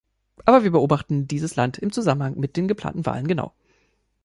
Aber wir beobachten dieses Land im Zusammenhang mit den geplanten Wahlen genau.